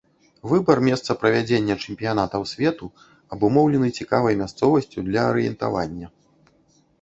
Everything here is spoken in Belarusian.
Выбар месца правядзення чэмпіянатаў свету абумоўлены цікавай мясцовасцю для арыентавання.